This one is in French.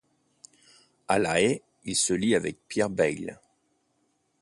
À La Haye, il se lie avec Pierre Bayle.